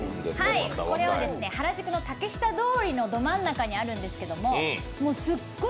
これは原宿の竹下通りのど真ん中にあるんですけれども、すっごい